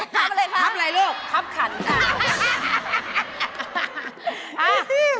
คับอะไรคะคับไข่ลูกคับขันค่ะ